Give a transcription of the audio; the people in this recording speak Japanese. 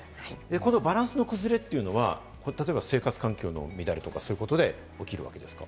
このバランスが崩れるということは生活環境の乱れとか、そういうことで起きるわけですか？